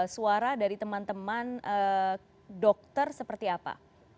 suara dari teman teman dokter seperti apa